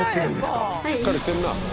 しっかりしてるなあ。